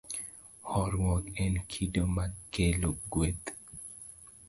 Horuok en kido makelo gweth.